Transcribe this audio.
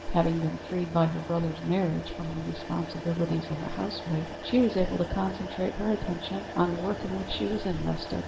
Having been freed by her brother's marriage from the responsibilities of a housewife, she was able to concentrate her attention on the work in which she was interested.